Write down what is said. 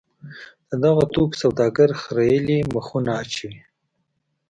د دغو توکو سوداګر خریېلي مخونه اچوي.